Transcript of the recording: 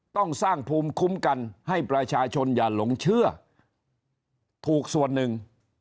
ต้องสร้างภูมิคุ้มกันให้ประชาชนอย่าหลงเชื่อถูกส่วนหนึ่ง